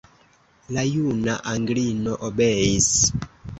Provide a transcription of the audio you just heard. La juna Anglino obeis.